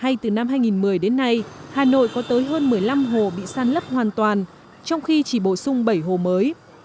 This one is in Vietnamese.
từ năm hai nghìn một mươi đến nay hà nội có tới hơn một mươi năm hồ bị san lấp hoàn toàn trong khi chỉ bổ sung bảy hồ mới